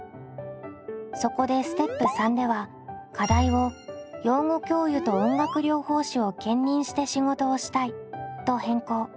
そこでステップ③では課題を「養護教諭と音楽療法士を兼任して仕事をしたい」と変更。